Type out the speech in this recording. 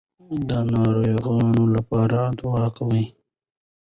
د ناروغانو لپاره دعا کوئ.